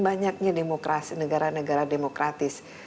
banyaknya demokrasi negara negara demokratis